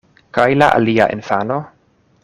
Kaj la alia infano?